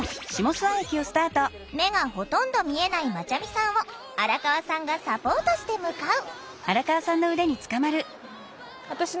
目がほとんど見えないまちゃみさんを荒川さんがサポートして向かう。